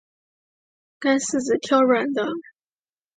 干柿子挑软的